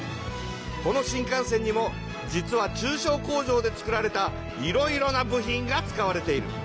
この新幹線にも実は中小工場でつくられたいろいろな部品が使われている。